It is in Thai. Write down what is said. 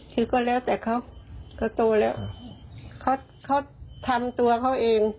คือก็แล้วแต่เขาเขาโตแล้วเขาทำตัวเขาเอง